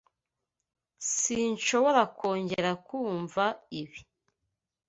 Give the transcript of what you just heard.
Sinshobora kongera kumva ibi.